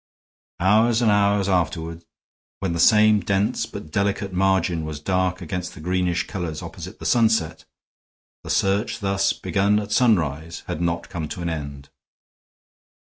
Hours and hours afterward, when the same dense, but delicate, margin was dark against the greenish colors opposite the sunset, the search thus begun at sunrise had not come to an end.